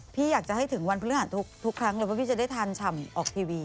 พี่อยากจะให้ถึงวันพฤหัสทุกครั้งเลยว่าพี่จะได้ทานฉ่ำออกทีวี